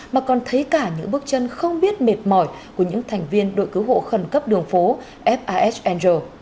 mà còn thấy cả những bước chân không biết mệt mỏi của những thành viên đội cứu hộ khẩn cấp đường phố fas andr